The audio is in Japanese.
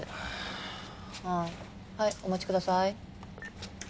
ああはいお待ちください。